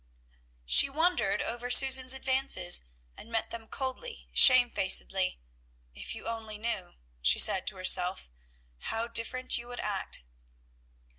She wondered over Susan's advances, and met them coldly, shamefacedly. "If you only knew," she said to herself, "how different you would act!"